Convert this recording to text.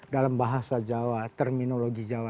dalam bahasa jawa terminologi jawa